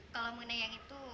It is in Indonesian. kalau mengenai yang itu